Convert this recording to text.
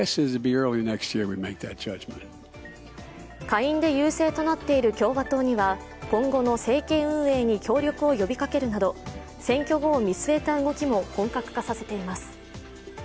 下院で優勢となっている共和党には今後の政権運営に協力を呼びかけるなど選挙後を見据えた動きも本格化させています。